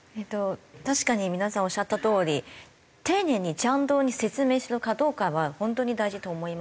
確かに皆さんおっしゃったとおり丁寧にちゃんと説明するかどうかは本当に大事だと思います。